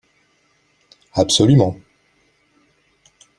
Absolument